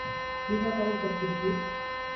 দিনকাল কেমন যাচ্ছে, ভিক?